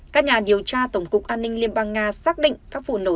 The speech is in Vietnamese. các nhà điều tra tổng cục an ninh liên bang nga xác định các vụ nổ